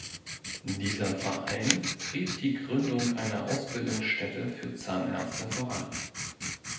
Dieser Verein trieb die Gründung einer Ausbildungsstätte für Zahnärzte voran.